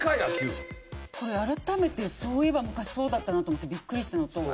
これ改めてそういえば昔そうだったなと思ってビックリしたのと。